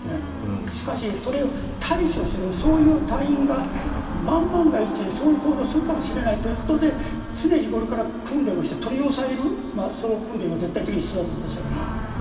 しかし、それに対処する隊員が万が一、そういう行動をするかもしれないということで常日ごろから訓練をして取り押さえる訓練は絶対的に必要だと私は思います。